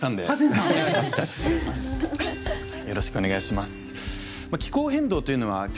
よろしくお願いします。